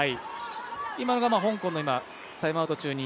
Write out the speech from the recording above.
今のが香港のタイムアウト中に。